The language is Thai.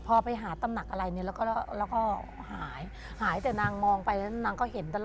พอไปหาตำหนักอะไรเนี่ยแล้วก็หายหายแต่นางมองไปแล้วนางก็เห็นตลอด